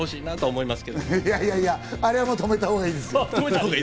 いやいや、あれは止めたほうがいいですよ。